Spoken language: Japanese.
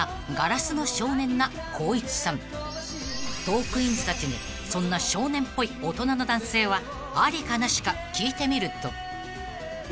［トークィーンズたちにそんな少年っぽい大人の男性はありかなしか聞いてみると］